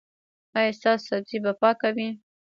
ایا ستاسو سبزي به پاکه وي؟